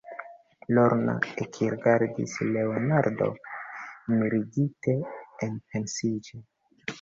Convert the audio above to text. Lorna ekrigardis Leonardon mirigite, enpensiĝe.